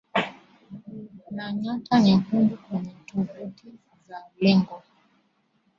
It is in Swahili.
na nyota nyekundu kwenye tovuti za lengo